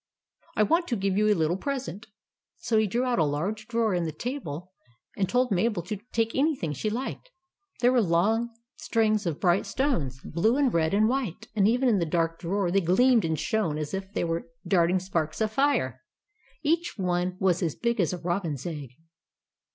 I WANT TO GIVE YOU A LITTLE PRESENT." So he drew out a large drawer in the table, and told Mabel to take anything she liked. There were long strings of bright stones, blue and red and white ; and even in the dark drawer they gleamed and shone as if they were darting sparks of fire. Each one was as big as a robin's egg.